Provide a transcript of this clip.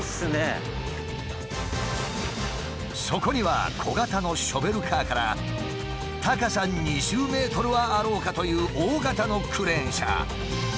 そこには小型のショベルカーから高さ２０ｍはあろうかという大型のクレーン車。